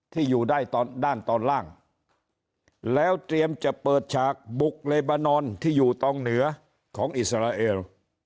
ที่อยู่ได้ตอนด้านตอนล่างแล้วเตรียมจะเปิดฉากบุกเลบานอนที่อยู่ตรงเหนือของอิสราเอล